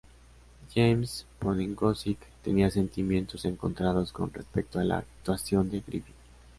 James Poniewozik tenía sentimientos encontrados con respecto a la actuación de Griffin.